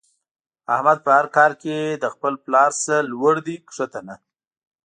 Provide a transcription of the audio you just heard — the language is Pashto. احمد په هر کار کې له خپل پلار نه لوړ دی ښکته نه.